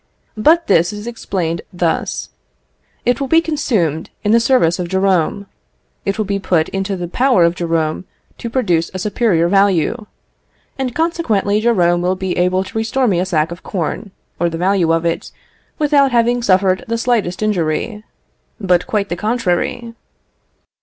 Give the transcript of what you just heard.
But this is explained thus: It will be consumed in the service of Jerome. It will put it into the power of Jerome to produce a superior value; and, consequently, Jerome will be able to restore me a sack of corn, or the value of it, without having suffered the slightest injury: but quite the contrary.